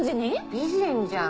美人じゃん。